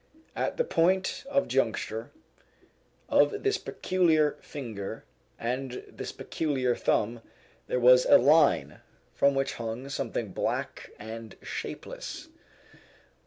At the point of juncture of this peculiar finger and this peculiar thumb there was a line, from which hung something black and shapeless.